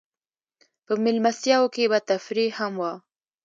په مېلمستیاوو کې به تفریح هم وه.